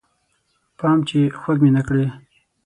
پام چې خوږ مې نه کړې